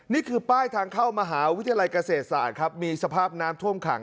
นี่คือป้ายทางเข้ามหาวิทยาลัยเกษตรศาสตร์ครับมีสภาพน้ำท่วมขัง